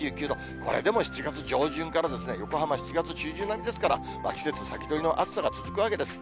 これでも７月上旬から横浜、７月中旬並みですから季節先取りの暑さが続くわけです。